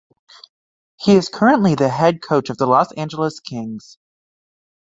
He is currently the head coach of the Los Angeles Kings.